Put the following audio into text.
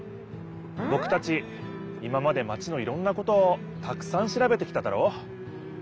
ぼくたち今までマチのいろんなことをたくさんしらべてきただろ。